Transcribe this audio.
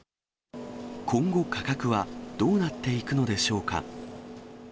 今後、価格はどうなっていくのでしょうか。